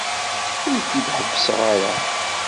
Ur k-id-ḥebbseɣ ara.